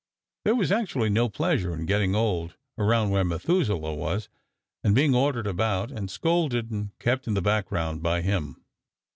There was actually no pleasure in getting old around where Methuselah was and being ordered about and scolded and kept in the background by him.